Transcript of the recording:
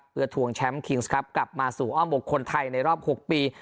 เพื่อทวงแชมป์คิงส์ครับกลับมาสู่อ้อมอกคนไทยในรอบ๖ปี